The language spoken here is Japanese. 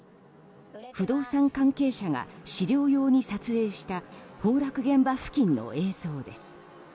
不動産関係者が資料用に撮影した崩落現場付近の映像です。